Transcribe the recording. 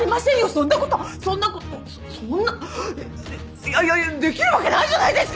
そんなことそんなことそんないやいやいやできるわけないじゃないですか！